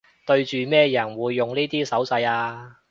對住咩人會用呢啲手勢吖